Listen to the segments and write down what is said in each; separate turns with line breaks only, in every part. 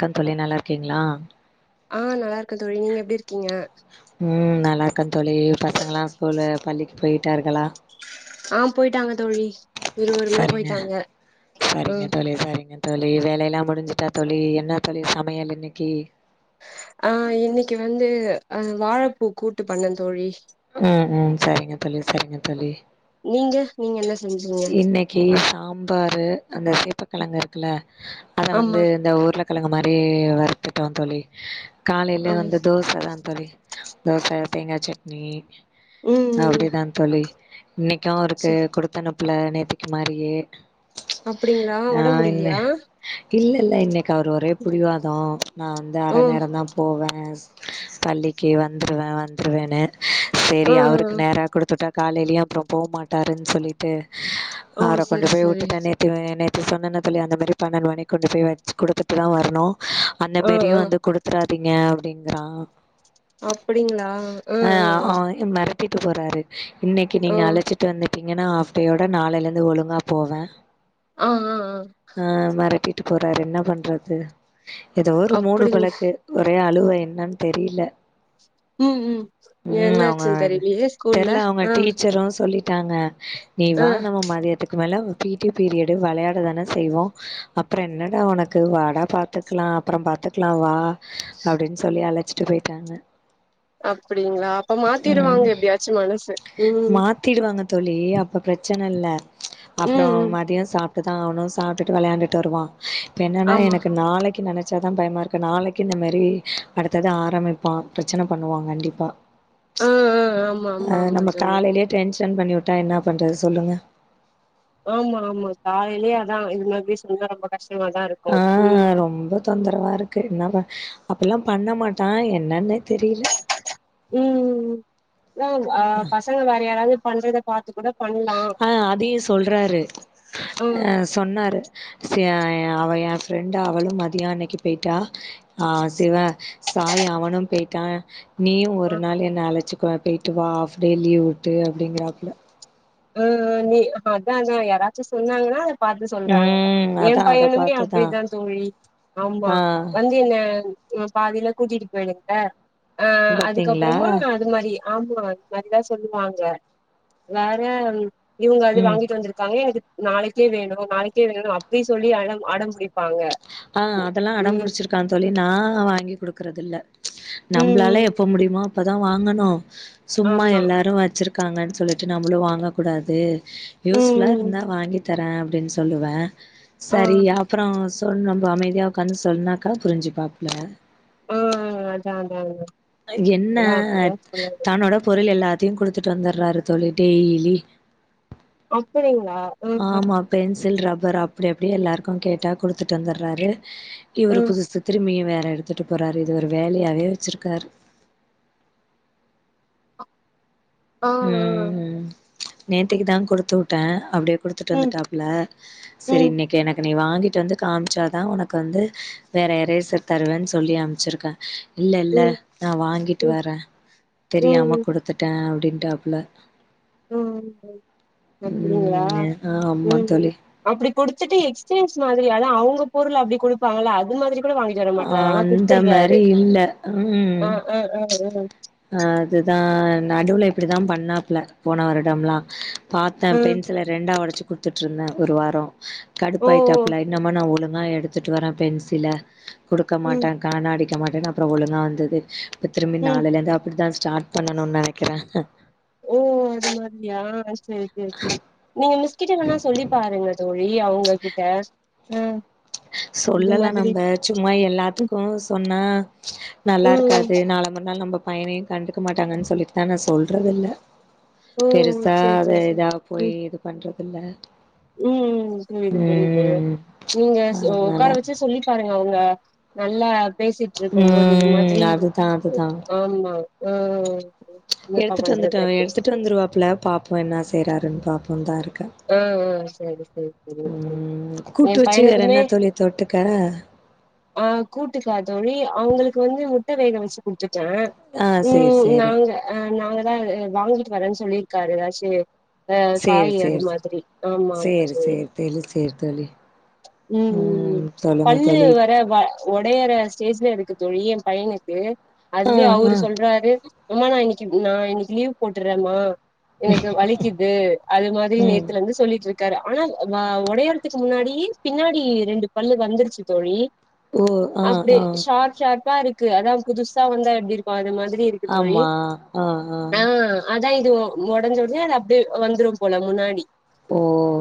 Come தோழி நல்லாருக்கீங்களா
ஆ நல்லாருக்க தோழி நீங்க எப்படி இருக்கீங்க
ம் நல்லா இருக்க தோழி பசங்களலா ஸ்கூலு பள்ளிக்கு போய்ட்டார்களா
ஆ போய்ட்டாங்க தோழி இருவருமே போய்ட்டாங்க ம்
ல்ல சரிங்க தோழி வேலையெல்லா முடிஞ்சிட்டா தோழி என்ன தோழி சமையல் இன்னக்கி
ஆ இன்னைக்கு வந்து அ வாழைப்பூ கூட்டு பண்ண தோழி
ம் ம் சரிங்க தோழி சரிங்க தோழி
நீங்க நீங்க என்ன செஞ்சிங்க
கி சாம்பாரு அந்த சேப்பக்கிழங்கு இருக்குல்ல அதை வந்து
ஆமா
இந்த உருள கிழங்கு மாரி வறுத்துட்டோ தோழி காலைல
ஆ
வந்து தோசை தா தோழி தோசை தேங்கா சட்னி
ம் ம்
அப்டிதா தோழி இன்னைக்கு அவருக்கு
சரி
குடுத்தனுப்பல நேத்தக்கு மாரியே
அப்படிங்களா
ஆ
உடம்
என்ன
முடிலயா
இல்ல இல்ல இன்னைக்கு அவர் ஒரே புடிவாத நா வந்து
ஓ
அர நேர தா போவே பள்ளிக்கு வந்துருவே வந்துருவேன்னு செரி
ஆ ஆ
அவருக்கு நேரா குடுத்துட்டா காலைலயு அப்பற போமாட்டாருன் சொல்லிட்டு
ஓ
அவர கொண்டு
சரி
போய்
சரி
விட்டுட்டொனே [unintelligible] நேத்து சொன்னனே தோழி அந்த மாரி பன்னெண்ட் மணிக் கொண்டு போய் லன்ச் குடுத்துட்டு தா வரணு அந்த
ஆ
மேரியு
ஆ
வந்து குடுத்றாதீங்க அப்டிங்கறா
அப்படிங்ளா
அ ஆவ் ம் மெரட்டிட்டு போறாரு இன்னைக்கு
ஆ
நீங்க அழச்சிட் டு வந்துட்டீங்கன்னா ஹாஃப் டேயோட நாளைலர்ந்து ஒழுங்கா போவே
ம் ம் ம்
ஆ மெரட்டிட்டு போறாரு என்ன பண்றது எதோ ஒரு மூடு
அப்டிங்க
போலருக்கு ஒரே அழுவ என்னன் தெரியில
ம் ம்
ம்
என்னாச்சுன்னு
அவ்ங்க
தெரியலையே ஸ்கூல்ல
தெர்ல அவுங்க
ஆ
டீச்சரு சொல்லிட் டாங்க நீ
ஆ
வா நம்ம மதியத்துக்கு மேல பி டி பீரியடு வெளையாட தான செய்வோ அப்றோ என்னடா உனக்கு வாடா பாத்துக்லா அப்றோ பாத்துக்லா வா அப்டின் சொல்லி அழச்சி ட்டு போய்ட்டாங்க
அப்டிங்களா அப்ப மாத்திருவாங்க எப்டியாச்சு மனச ம்
த்திடுவாங்க தோழி அப்ப பிரச்சனல்ல அப்றோ
ம் ம்
மதியோ சாப் ட்டு தா ஆவ்ணு சாப்ட்டுட்டு வெளயாண்டுட்டு வருவா ப்ப என்னனா
ஆமா
எனக்கு நாளைக்கு நெனச் சா தா பயமா இருக்கு நாளைக்கு இந்த மேரி அடுத்தது ஆரம்மிப்பா பிரச்சன பண்ணுவா கண்டிப்பா
ஆ ஆ ஆமா ஆமா
அ
ஆமா
நம்ம
தோழி
காலைலே டென்ஷன் பண்ணிவுட்டா என்னா பண்றது சொல்லுங்க
ஆமா ஆமா காலைலே அதா இது மாத்ரி சொன்னா ரொம்ப கஷ்டமா தா இருக்
ஆ ரொம்ப தொந்தரவா இருக்கு என்னா ப அப்பில்லா பண்ண மாட்டா என்னன்னே தெரீல
ம் ஓ அ பசங்க வேற யாராவ்து பண்றத பாத்து கூட பண்லா
ஆ அதையு சொல்றாரு
ஆ
அ சொன்னாரு சே எ அவ எ ஃப்ரெண்டு அவளு மதியோ அன்னைக்கு போய்ட்டா ஆ சிவ சாயி அவனு போய்ட்டா நீயு
ஆ
ஒரு நாளு என்ன அழச்சுக்க போய்ட்டு வா ஹாஃப் டே லீவ் வுட்டு அப்டிங்கறாப்ல
ம் ம் நீ அதா அதா யாராச்சு சொன்னாங்கனா பாத்து சொல்றாங்க
ம்
எ
அதா அத
பையனுமே அப்டி
பாத்துதா
தா தோழி ஆமா
ஆ
வந்து என்ன இவ பாதில கூட்டிட்டு போய்ருங்க ஆ
பாத்தீங்களா
அதுக்கப்பறமா அது மாரி ஆமா நறையா சொல்லுவாங்க வேற இவுங்க அது
ம்
வாங்கிட்டு வந்திருக்காங்க எனக்கு நாளைக்கே வேணு நாளைக்கே வேணு அப்டி சொல்லி அலம் அடம் புடிப்பாங்க
ஆ அதெல்லா
ம்
அடம்புடிச்சிருக்கா தோழி நா வாங்கி குடுக்கறதில்ல
ம் ம்
நம்ப்ளால எப் ப முடியுமோ அப்போ தா வாங்கணு சும்மா
ஆமா
எல்லாரு வச்சிருக் காங்கன் சொல்லிட்டு நம்மளு வாங்கக்கூடாது யூஸ்
ம்
ஃபுல்லா
ம்
இருந்தா வாங்கி தரே அப்டின் சொல்லுவே
ஆ
சரி அப்றோ [unintelligible] நம்ப அமைதியா உக்காந்து சொன்னாக்கா புரிஞ்சிப்பாப்ல
ம் அதா அதா அதா
என்ன
அப்டிதா சொல்லணு
தன்னோட பொருள் எல்லாத்தையு குடுத்துட்டு வந்தர்றாரு தோழி டெய்லி
அப்படிங்ளா
ஆமா பென்சில், ரப்பரு அப்டி அப்டியே எல்லாருக்கு கேட்டா குடுத்துட்டு வந்தர்றாரு இவரு
ம்
புதுசு திரும்பியு வேற எடுத்துட்டு போறாரு இது ஒரு வேலையாவே வெச்சிருக்காரு
ஆ ஆ
ம் ம் நேத்திக்கு தா குடுத்துவுட்டே அப்டியே குடுத்துட்டு
ம்
வந்துட்டாப்ல செரி
ம்
இன்னைக்கு எனக்கு நீ வாங்கிட்டு வந்து காம்ச்சா தா உனக் வந்து வேற எரேசர் தருவன் சொல்லி அம்ச்சிருக்கே இல்ல இல்ல
ம்
நா வாங்கிட்டு
ம்
வரே தெரியாம
ம்
குடுத்துட்டே அப்டின்ட்டாப்ல
ம் [inaudible] அப்டிங்களா
ம் ஆமா
ம்
தோழி
அப்டி குடுத்துட்டு எக்ஸ்சேன்ஜ் மாதிரி ஆனா அவுங்க பொருள அப்டி குடுப்பாங்களா அது மாதிரி பொருள் வாங்கிட்டு வர மாட்றாரு ஆனா
அந்த
குடுத்துட்றாரு
மாரி இல்ல
ஆ ஆ ஆ ஆ
அ அது தா நடுவ்ல இப்பிடி தா பண்ணாப்ல போன வருடம்லா பாத்த
ஆ
பென்சில ரெண்டா ஒடச்சு குடுத்துட்டு இருந்தே ஒரு வாரோ
ஓ
கடுப்பாயிட்டு அ
ஓ
இல்ல இன்னு அம்மா நா ஒழுங்கா எடுத்துட்டு வரே பென்சில குடுக்க
ம்
மாட்ட காண அடிக்க மாட்டேன்னு அப்புறோ ஒழுங்கா வந்தது இப்ப திரும்பி
ம்
நாளைல இருந்து அப்படிதா ஸ்டார்ட் பண்ணனுனு நெனைக்கிறே
ஓ அது மாதிரியா செரி செரி செரி நீங்க மிஸ்கிட்ட வேனா சொல்லி பாருங்க தோளி பெயி அவுங்ககிட்ட ம்
சொல்லலா நம்ம சும்மா
ம்
எல்லாத்துக்கு சொன்னா ம்ச்
ம்
நல்லாருக்காது நால மறு நாள் நம்ம பையனையே கண்டுக்க மாட்டாங்கன்னு சொல்லிட்டுதா நா சொல்றதுல்ல
ஓ
பெருசா
செரி
அத
செரி செரி
எதா போயி
ம்
இது பன்றது இல்ல
ம் புரியுது புரியுது நீங்க ச
அதனால
உக்கார வெச்சு சொல்லி பாருங்க அவங்க நல்லா பேசிட்டுருக்கும் போது இது
ம்
மாதிரி
அதுதா அதுதா
ஆமா ஆ என்னப்பா
எடுத்துட்டு வந்துட்ட
பண்றது அப்டின்னு
எடுத்துட்டு
சொல்லிட்டு
வந்துருவாப்புல பாப்போ என்ன செய்யறாருன்னு பாப்போன்னு தா இருக்க
ஆ ஆ செரி செரி செரி
ம் கூட்டு
என்
வச்சு வேற
பையனுக்குமே
என்ன தோழி தொட்டுக்க
ஆ கூட்டுக்கா தோழி அவங்களுக்கு வந்து முட்ட வேக வெச்சு குடுத்துட்டே
ஆ சேரி
உம்
சேரி
நாங்க ஆ நாங்கதா வாங்கிட்டு வரேன்னு சொல்லியிருக்காரு ஏதாச்சி ஆ
சேரி
காயி அது
சேரி
மாதிரி ஆமா ஆமா
சேரி
தோழி
சேரி சேரி தோழி
உம் உம்
ம் சொல்லுங்க
பல்லு
தோழி
வர வ ஒடையிற ஸ்டேஜ்ல இருக்கு தோழி எ பையனுக்கு
ஆ
அதுவே அவரு
ஆ
சொல்றாரு அம்மா நா இன்னிக்கு நா இன்னிக்கு லீவ் போட்டுறே மா எனக்கு வலிக்குது அது மாதிரி
ம்
நேத்துல வந்து சொல்லிட்டு இருக்காரு ஆனா ஒடையறதுக்கு முன்னாடியே பின்னாடி ரெண்டு பல்லு வந்துருச்சு தோழி
ஓ ஆ
அப்படியே
ஆ
ஷார் ஷார்பா இருக்கு அதா புதுசா வந்தா எப்பிடி இருக்கு அது மாதிரி தோழி
ஆமா
ஆ அதா இது ஒடஞ்ச ஒடனே அது அப்படியே வந்துரும் போல முன்னாடி
ஓ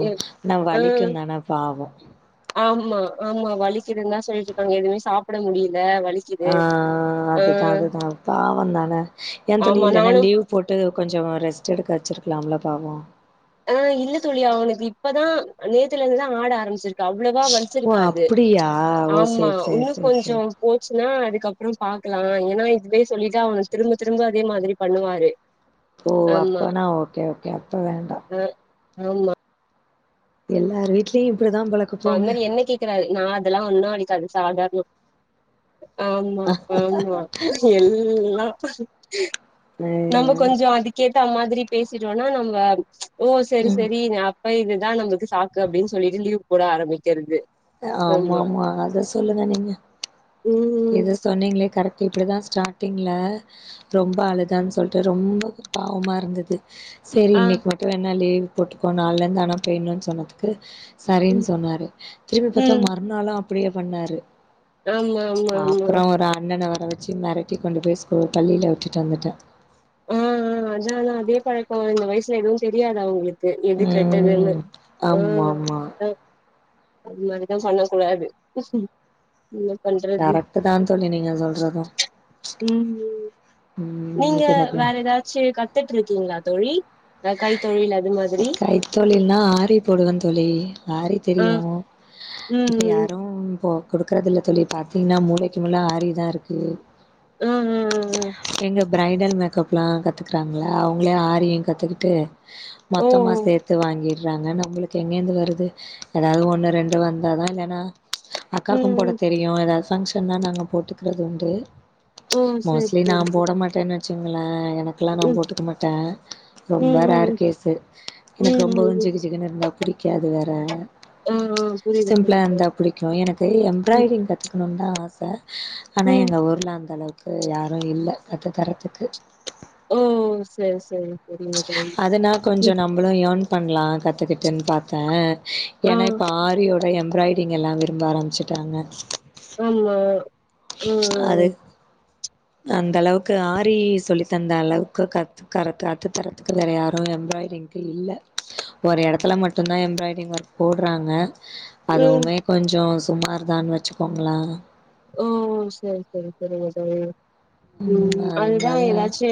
ஆன
ஆ
வலிக்குந் தானே பாவோ
ஆமா ஆமா வலிக்குதுன்னு தா சொல்லிட்டுருக்காங்க எதுவுமே சாப்ட முடியில வலி
ஆ அதுதா அதுதா பாவோ தான என் தோழி
ஆமா
இல்லன்ன
நானு
லீவ் போட்டு கொஞ்சு ரெஸ்ட் எடுக்க வச்சிருக்கலாம்ல பாவோ
ஆ இல்ல தோழி அவனுக்கு இப்பதா நேத்துலிருந்துதா ஆட ஆரம்பிச்சிருக்கு அவ்வளவா
ஓ
வலிச்சிருக்காது
அப்டியா ஓ
ஆமா
சேரி சேரி
இன்னு
சேரி
கொஞ்சு
சேரி
போச்சுன்னா அதுக்கப்புற பாக்கலா ஏன்னா இதுவே சொல்லிட்ட அவன் திரும்ப திரும்ப அதே மாதிரி பண்ணுவாரு
ஓ
ஆமா
அப்பனா ஓக்கே ஓக்கே அப்ப வேண்டா
ஆ ஆமா அ
எல்லார் வீ்ட்லேயு இப்டிதா போல
அந்த மாரி என்ன கேக்குறாரு நா அதெல்லா ஒன்னுஔ அடிக்காது சாதாரண ஆமா ஆமா எல்லா நம்ம கொஞ்சு அதுக்கேத்தா மாதிரி பேசிட்டோன்னா நம்ப ம்ச் ஓ செரி
ம்
செரி ந அப் இப்ப இதுதா நமக்கு சாக்கு அப்படின் சொல்லிட்டு லீவ் போட ஆரம்மிக்கறது
ஆமா ஆமா அத சொல்லுங்க நீங்க
ம்
இத சொன்னீங்களே கரெக்ட் இப்டி தா ஸ்டார்டிங்ல ரொம்போ அழுதான்னு சொல்லிட்டு ரொம்போ பாவமா இருந்தது செரி
ஆ
இன்னைக்கு மட்டு வேணா லீவ் போட்டுக்கோ நாள்லருந்து ஆனா போயிடணுனு சொன்னதுக்கு சரினு
ம்
சொன்னாரு திரும்பி பாத்தா
ம்
மறுநாளு அப்டியே பண்ணாரு
ஆமா ஆமா ஆமா
அப்புற ஒரு அண்ணன வர வச்சு மெரட்டி கொண்டு போய் ஸ்கூ பள்ளியில விட்டுட்டு வந்துட்ட
ஆ ஆ அதுனாலதா அதே பழக்கோ இந்த வயசுல எதுவு தெரியாது அவங்களுக் எது கெட்டதுன்னு
ம்
அ
ஆமாமா
அதா அதுமாரி தா பண்ண கூடாது என்ன பண்ற
கரெக்ட் தா தோழி நீங்க சொல்றது
ம் ஏ
ம்
நீங்க
இது எனக்கு
வேற ஏதாச்சு கத்துட்ருக்கீங்களா தோழி அ கைத் தொழில் அது மாதிரி
கைத்தொழில்னா ஆரி போடுவன் தோழி ஆரி
ஆ
தெரியு
ம் ம்
இப்ப
ம்
யாரும் போ குடுக்கறதில்லை தோழி பாத்தீன்னா மூளைக்கு மூள ஆரிதா இருக்கு
ம்ம்
எங்க ப்ரைடல் மேக்கப்லா கத்துக்றாங்ளா அவங்களே ஆரியு கத்துக்குட்டு
ஓ
மொத்தமா
ஓ
சேத்து வாங்கிர் றாங்க நம்ளுக்கு எங்கேந்து வருது எதாவது ஒன்னு ரெண்டு வந்தாதா இல்லனா அக்காக்கும் போட
ம் ம்
தெரியு ஏதாத் ஃபங்க்ஷன்னா நாங்க போட்டுக்குறது உண்டு
ஓ சரி
மோஸ்லி நா
சரி சரி
போட மாட்டே நென்ச்சுங்களே எனக்லா நா
ம்
போட்டுக்க மாட்டே ரொம்ப
ம் ம்
ரேர்
ம்
கேஸு எனக்கு
ம்
ரொம்பவு
ம் ம்
ஜிகுஜிகுனு இருந்தா புடிக்காது வேற
ஆ ஆ புரியுது
சிம்ப்ளா
புரியுது
இருந்தா
தோழி
புடிக்கு எனக்கு
ம்
எம்ப்ராய்டிங் கத்துக்கணுன் தா ஆச ஆனா
ம்
எங்க ஊர்ல அந்த அளவுக்கு யாரு இல்ல கத்து தரத்துக்கு
ஓ செரி செரி சரிங்க தோழி
தினா கொஞ்சோ
ம்
நம்பளு யன் பண்லா கத்துக்கிட்டுன் பாத்தே
ஆ
ஏன்னா இப்ப ஆரி ஒர் றைய எம்ப்ராய்டிங் எல்லா விரும்ப ஆரம்பிச்சுட்டாங்க
அமா உஉஉ
அது அந்த அளவுக்கு ஆரி சொல்லி தந்த அளவுக்கு கத்து கரட்டாட்டு தரத்துக்கு வேற யாரு எம்ப்ராய்ரிங்க்கு இல்ல ஒரு எடத்துல மட்டுன்தா எம்ப்ராய்டிங் வர்க் போட்றாங்க
ம்
அதுவுமே கொஞ்சோ சுமார் தான் வச்சுக்கோங்ளா
ஓ சரி சரி சரிங்க தோழி ம் அந்தா ஏதாச்சு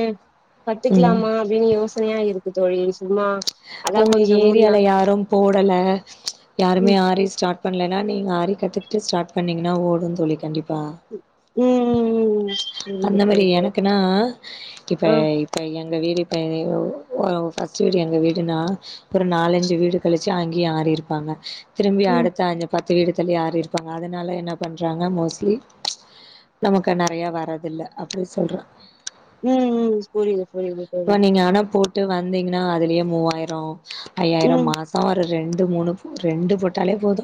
ம்
கத்துக்லாமாம் அப்டின் யோசனையா இருக்கு தோழி சும்மா அதா
உங்க
கொஞ்சோ முன்னா
ஏரியால யாரும் போடல யாருமே
ம்
ஆரி ஸ்டாட் பண்லனா நீங்க ஆரி கத்துக்குட்டு ஸ்டாட் பண்ணீங்னா ஓடுன் தோழி கண்டிப்
உ உம்
அந்த மாரி எனக்குன்னா இப்ப
ஆ
இப்ப எங்க வீடி எனயோ ஓயவ் ஃபஸ்ட்டு வீடு எங்க வீடு ரினா ஒரு நாலஞ்சு வீடு கழிச்சு அங்க்யு ஆரி இருப்பாங்க திரும்பி
ம்
அடுத்த ஆஞ்சப் பத்து வீடு தள்ளி ஆரி இருப்பாங்க அதனால என்ன பண்றாங்க மோஸ்லி நமக்கு நெறைய வரதுல்ல அப்டி சொல்ற
ம் ம் புரியுது புரியுது
[inaudible]
தோழி
ப நீங்க ஆனா போட்டு வந்தீங்கன்னா அதுலியே மூவா ஆய்ரோம் ஐயாயிரம்
ம்
மாசோ ஒரு ரெண்டு மூணுவ் ரெண்டு போட்டாலே போது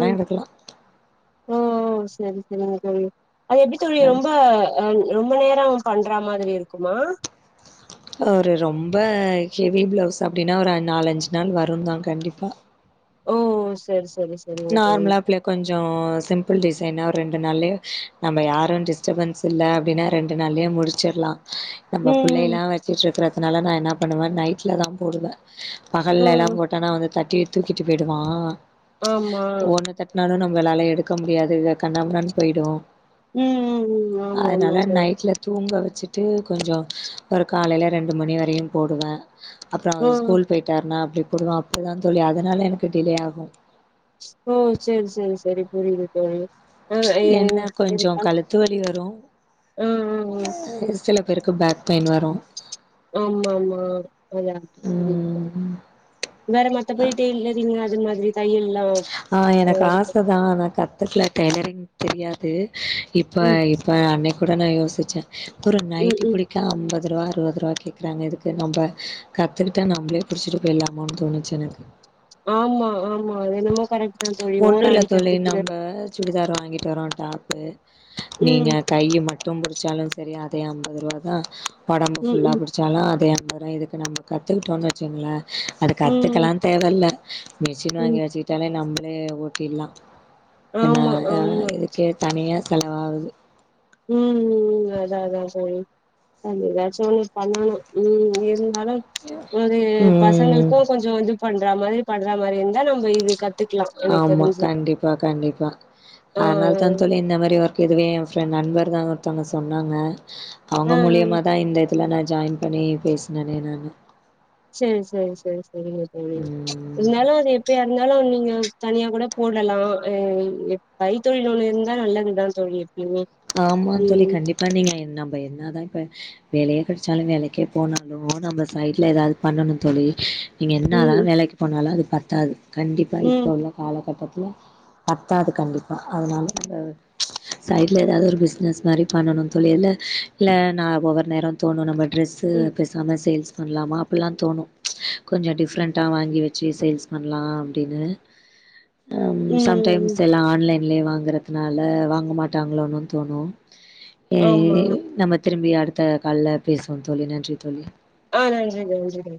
ம்
எடுக்கலா
ஓ சரி சரிங்க தோழி அது எப்டி தோழியு ரொம்ப அன் ரொம்ப நேரம் ஆவு பண்றா மாதிரி இருக்குமா
ஒரு ரொம்ப ஹெவி ப்ளவுஸ் அப்டின்னா ஒ ரெ நாலஞ்சு நாள் வருன்தா கண்டிப்பா
ஓ சரி சரிஸ்
நார்ம்லாப்ல கொஞ்சோ சிம்பிள் டிசைனா ரெண்டு நாள்ளையே நம்ப யாரு டிஸ்டர்பன்ஸ் இல்ல அப்டின்னா ரெண்டு நாள்யே முடிச்சிர்லா நம்ம
ம்
புள்ளைலா வச்சிட்ருக்குறதுனால நா என்ன பண்ணுவே நைட்ல தா போடுவே பகல்ல
ம்
எல்லாம் போட் டனா வந்து தட்டீ தூக்கிட்டு போய்டுவா
ஆம்மா
தட்னாலு நம்வெலாலே எடுக்க முடியாது இத கண்ணாமுண்ணாண் போய்டு
உம் உம் உம் ஆமா ஆமா தோழ
நைட்ல தூங்க வச்சுட்டு கொஞ்சோ ஒரு காலைல ரெண்டு மணி வரையும் போடுவே அப்றோ அவர்
ம்
ஸ்கூல் போய்ட்டாருனா அப்டி பொடுவ அப்டிதான் தோழி அதனாலே எனக்கு டிலே ஆகு
ஓ சரி சரி சரி புரியுது தோழி ஆ ஏ இது பண்
த்துவலி வரு
ஆ
சில பேருக்கு பேக் பெயின் வரு
ஆமா மா அதா புரிது தோழி
ம்
வேற மத்தபடி டெய்லரிங்கு அது மாதிரித் தையல் இல்லா வ
ஆ எனக்கு ஆசதா ஆனா கத்துக்ல டெய்லரிங் தெரியாது இப்ப
ம்
இப்ப அன்னைக் கூட நா யோசிச்சே ஒரு
ம்
நைட்டி
ம்
பிடிக் க அம்பதுருவா அறுவதுருவா கேக்கறாங்க இதுக்கு நம்ப கத்துகிட்டா நம்பளே புடிச்சிட்டு போய்லாமோன் தோணுச்சு எனக்கு
ஆமா ஆமா அது என்னமோ கரெக்ட்தா தோழி ஓர
ஒண்ணு இல்ல தோழி
அடிக்கிறதுக்கு
நம்ப சுடிதார் வாங்கிட்டுவறோ டாப்பு நீங்க
ம்
கையி மட்டு புடிச்சாலு செரி அதே அம்பருவாதா ஒடம்பு
ம்
ஃபுல்லா
ம்
புடிச் ச்சாலு அதே அம்பருவா இதுக்கு நம்ம கத்துக்கிட்டோன் வச்சுங்ளே அது
ம்
கத்துகலாந் தேவல்ல மிஷின்
ம்
வாங்கி வச்சுகிட்டாலே நம்மளே ஓட்டில்லா என்னா
ஆமா
அ
ஆமா
இதுக்கே தனியா செலவாவுது
ம் அதா அதா தோழி. அது எதாச்சு ஒன்னு பண்ணணு ம் இருந்தாலு ஒரு
ம்
பசங்களுக்கு கொஞ்ச கொஞ்ச பண்றா மாதிரி பண்ற மாரி இந்தா நம்ப இது கத்
ஆமா கண்டிப்பா கண்டிப்பா
ஆ
அதனாலதா தோழி இந்த மாரி ஒர்க் இதுவே என் பிரண்ட் நண்பர் தான் ஒருத்தவங்க சொன்னாங்க
ஆ ஆ
அவங்க மூலியமா தான் இந்த இதல நா ஜாயின் பண்ணி பேச்னனே நானு
செரி செ செரி செரி செரிங்கத் தோழி
ம்
இருந்தாலு அது எப்பயா இருந்தாலு நீங்க தனியா கூட போடலா அ கைத்தொழில் ஒன்னு இருந்தா நல்லதுதா தோழி எப்பியிமே
ஆமாந் தோழி கண்டிப்பா நீங்க நம்ம என்னாதா இப்ப வேலையே கெடச்சாலு வேலைக்கே போனாலு நம்ம சைட்ல எதாவது பண்ணணுந் தோழி நீங்க என்னாதா
ம்
வேலைக்கு போனாலு அது பத்தாது கண்டிப்பா
ம்
இப்போலா காலகட்டத்ல பத்தாது கண்டிப்பா அதனால அந்த ட்ல எதாது ஒரு பிஸ்னஸ் மாரி பண்ணணுந் தோழி இல்ல இல்ல நா ஒவ்வொரு நேரந் தோணு நம்மர் ட்ரெஸ்ஸு
ம் ம்
பெசாம சேல்ஸ் பண்லாமாப் பில்லாந் தோணு கொஞ்ச டிஃப்ரெண்டா வாங்கி வச்சி சேல்ஸ் பண்லா அப்டினு அம்
ம்
சம்டைம்ஸ்
ம்
எல்லா ஆன்லைன்லியே வாங்கறதுனால வாங்க மாட் டாங்லோனுன் தோணு எ
ஆமா
நம்மத் திரும்பி அடுத்த கால்ல பேசுவோந் தோழி நன்றித் தோழி
ஆ நன்றி நன்றி நன்